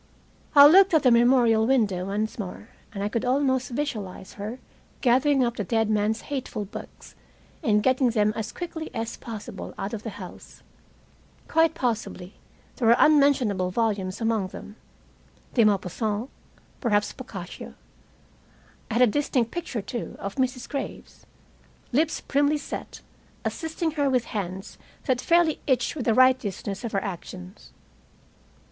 I looked at the memorial window once more, and I could almost visualize her gathering up the dead man's hateful books, and getting them as quickly as possible out of the house. Quite possibly there were unmentionable volumes among them de Maupassant, perhaps Boccaccio. I had a distinct picture, too, of Mrs. Graves, lips primly set, assisting her with hands that fairly itched with the righteousness of her actions.